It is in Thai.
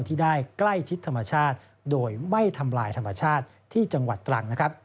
ที่ได้ใกล้ชิดธรรมชาติโดยไม่ทำลายธรรมชาติที่จังหวัดตรังนะครับ